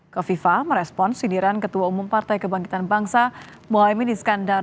kofifa merespon sindiran ketua umum partai kebangkitan bangsa muhaymin iskandar